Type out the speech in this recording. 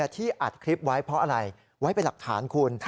ที่อัดคลิปไว้เพราะอะไรไว้เป็นหลักฐานคุณ